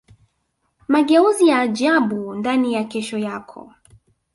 mageuzi ya ajabu ndani ya kesho yako